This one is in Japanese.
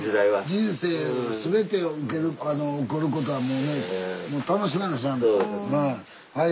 人生全て来ることはもうね楽しまなしゃあない。